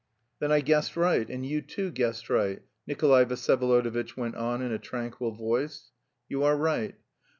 "Then I guessed right and you too guessed right," Nikolay Vsyevolodovitch went on in a tranquil voice. "You are right.